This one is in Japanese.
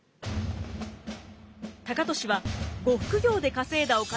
高利は呉服業で稼いだお金で投資。